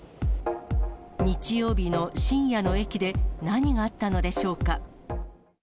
日曜日の深夜の駅で、何があったのでしょうか。